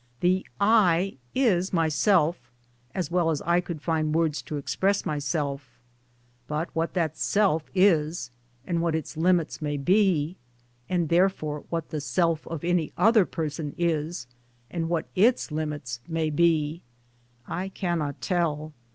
The " I " is myself — as well as I could find words to express myself : but what that Self is, and what its limits may be ; and therefore what the self of any other person is and what its limits may be — I cannot tell.